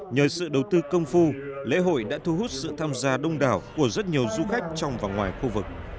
nhờ sự đầu tư công phu lễ hội đã thu hút sự tham gia đông đảo của rất nhiều du khách trong và ngoài khu vực